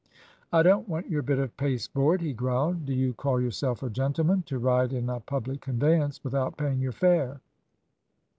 "'I don't want your bit of pasteboard,' he growled. 'Do you call yourself a gentleman to ride in a public conveyance without paying your fare?'